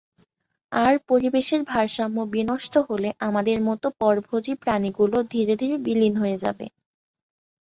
আর পরিবেশের ভারসাম্য বিনষ্ট হলে আমাদের মতো পরভোজী প্রাণীগুলো ধীরে ধীরে বিলীন হয়ে যাবে।